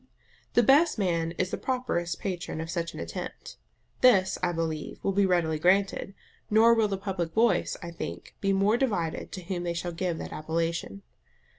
The best man is the properest patron of such an attempt. This, I believe, will be readily granted; nor will the public voice, I think, be more divided to whom they shall give that appellation.